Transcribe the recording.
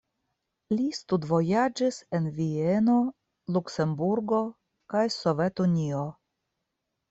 Li studvojaĝis en Vieno, Luksemburgo kaj Sovetunio.